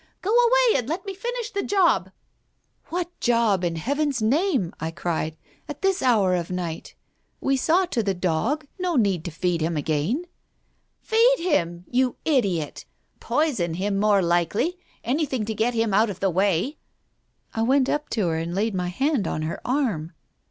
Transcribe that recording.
"Go away, and let me finish the job !" "What job, in Heaven's name," I cried, "at this hour of night? We saw to the dog — no need to feed him again f " "Feed him, you idiot! ... Poison him, more likely — anything to get him out of the way 1 " I went up to her and laid my hand on her arm.